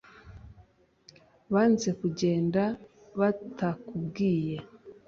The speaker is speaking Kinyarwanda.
banze kugenda batakubwiye